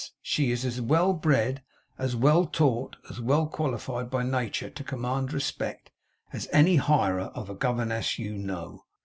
She is as well bred, as well taught, as well qualified by nature to command respect, as any hirer of a governess you know.